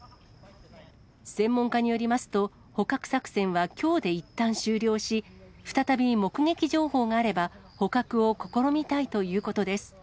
専門家によりますと、捕獲作戦はきょうでいったん終了し、再び目撃情報があれば、捕獲を試みたいということです。